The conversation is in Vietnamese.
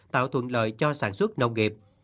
tạo thuận lợi cho sản xuất nông nghiệp